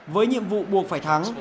với nhiệm vụ buộc phải thắng